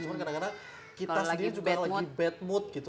cuma kadang kadang kita sendiri juga lagi bad mood gitu